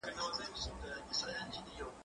زه به اوږده موده انځور ليدلی وم!؟